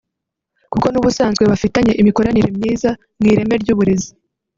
kuko n’ubusanzwe bafitanye imikoranire myiza mu ireme ry’uburezi